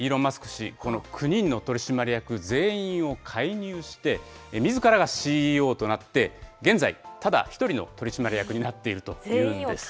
氏、この９人の取締役全員を解任して、みずからがＣＥＯとなって、現在、ただ一人の取締役になっているというんです。